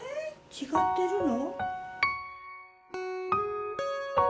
違ってるの？